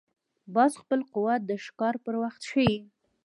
باز خپل قوت د ښکار پر وخت ښيي